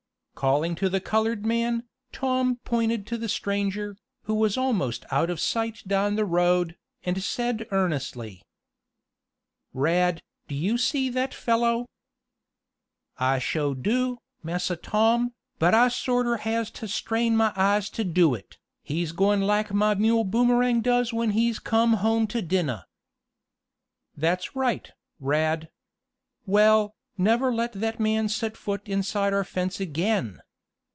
Calling to the colored man, Tom pointed to the stranger, who was almost out of sight down the road, and said earnestly: "Rad, do you see that fellow?" "I sho do, Massa Tom, but I sorter has t' strain my eyes t' do it. He's goin' laik my mule Boomerang does when he's comm' home t' dinnah." "That's right, Rad. Well, never let that man set foot inside our fence again!